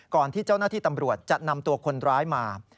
ที่เจ้าหน้าที่ตำรวจจะนำตัวคนร้ายมา